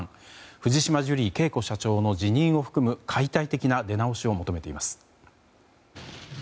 藤島ジュリー景子社長の辞任を含む解体的な出直しを求めています。